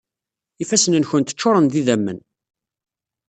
Ifassen-nkent ččuṛen d idammen.